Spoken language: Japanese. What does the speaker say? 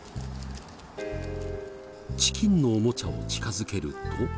チキンのおもちゃを近づけると。